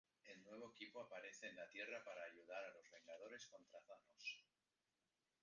El nuevo equipo aparece en la Tierra para ayudar a los Vengadores contra Thanos.